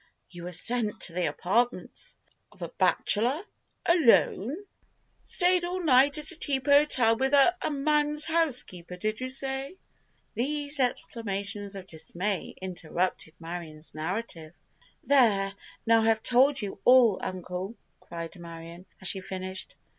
"You were sent to the apartments of a bachelor—alone!" "Stayed all night at a cheap hotel with a—a man's housekeeper, did you say?" These exclamations of dismay interrupted Marion's narrative. "There—now I have told you all, uncle!" cried Marion, as she finished.